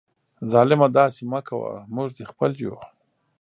ظالمه داسي مه کوه ، موږ دي خپل یو